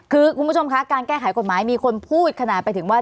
คือคุณผู้ชมคะการแก้ไขกฎหมายมีคนพูดขนาดไปถึงว่า